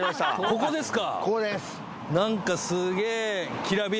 ここですか？